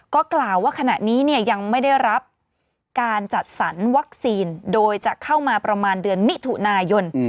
ก็กล่าวว่าขณะนี้ยังไม่ได้รับการจัดสรรวัคซีนโดยจะเข้ามาประมาณเดือนมิถุนายน